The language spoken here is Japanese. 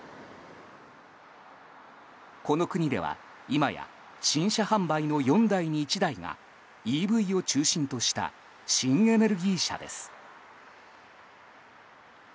この国では今や新車販売の４台に１台がＥＶを中心とした新エネルギー車です。